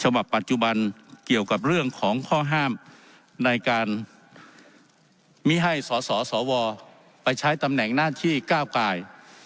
ปัจจุบันเกี่ยวกับเรื่องของข้อห้ามในการไม่ให้สสวไปใช้ตำแหน่งหน้าที่ก้าวกาย